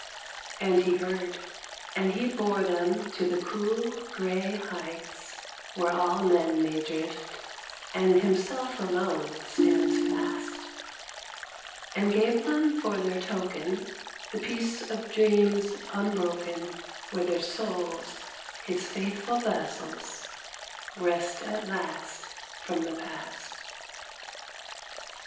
And he heard, and he bore them to the cool grey heights, Where all men may drift and himself alone stands fast, And gave them for their token The peace of dreams unbroken Where their souls, his faithful vassals, rest at last, from the past.